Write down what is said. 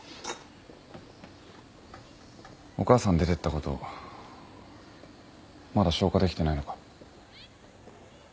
お母さん出てったことまだ消化できてないのか？